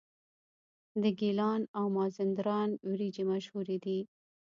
د ګیلان او مازندران وریجې مشهورې دي.